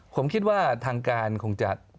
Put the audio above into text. ผมคิดว่าทางการคงจะ